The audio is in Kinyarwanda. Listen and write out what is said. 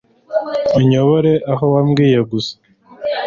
unyobore aho wambwiye gusa